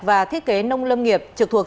và thiết kế nông lâm nghiệp trực thuộc